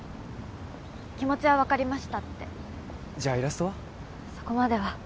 「気持ちは分かりました」ってじゃイラストは？